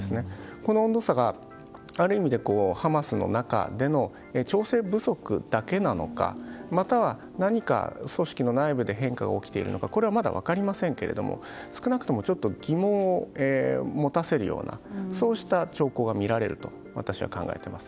この温度差は、ある意味でハマスの中での調整不足だけなのかまたは、何か組織の内部で変化が起きているのかはまだ分かりませんけれども少なくともちょっと疑問を持たせるようなそうした兆候が見られると私は考えています。